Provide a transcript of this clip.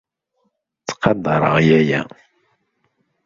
Ttqadar yaya.